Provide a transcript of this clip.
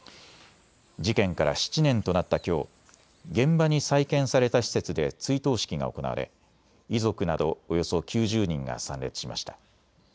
事件から７年となったきょう、現場に再建された施設で追悼式が行われ、遺族などおよそ９０人が参列しました。